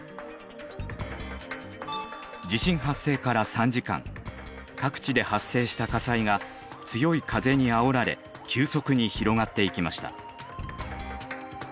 地震発生から３時間各地で発生した火災が強い風にあおられ急速に広がっていきました。